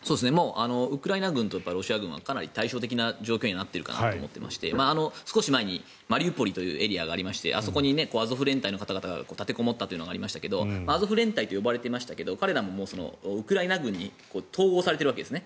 ウクライナ軍とロシア軍はかなり対照的な状況になっているかなと思っていまして少し前にマリウポリというエリアがありましてあそこにアゾフ連隊の方々が立てこもったというのがありましたがアゾフ連隊と呼ばれていましたが彼らもウクライナ軍に統合されているわけです。